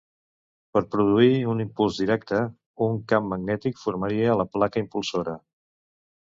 Per produir un impuls directe, un camp magnètic formaria la placa impulsora.